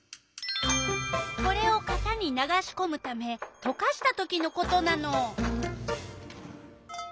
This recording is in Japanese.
これをかたに流しこむためとかしたときのことなの。